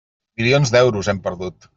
Milions d'euros, hem perdut.